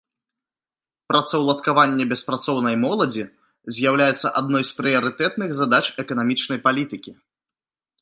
Працаўладкаванне беспрацоўнай моладзі з'яўляецца адной з прыярытэтных задач эканамічнай палітыкі.